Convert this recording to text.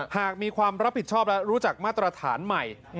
หากมีความรับผิดชอบและรู้จักมาตรฐานใหม่